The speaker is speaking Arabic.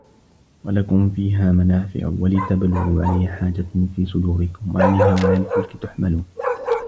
وَلَكُم فيها مَنافِعُ وَلِتَبلُغوا عَلَيها حاجَةً في صُدورِكُم وَعَلَيها وَعَلَى الفُلكِ تُحمَلونَ